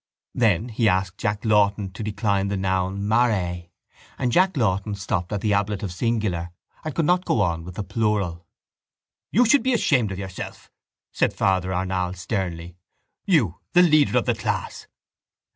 Then he asked Jack Lawton to decline the noun mare and Jack Lawton stopped at the ablative singular and could not go on with the plural. —You should be ashamed of yourself, said Father Arnall sternly. You, the leader of the class!